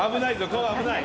顔危ない。